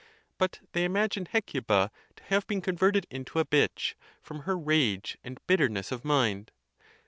But they imagine Hecuba to have been converted into a bitch, from her rage and bitterness of mind.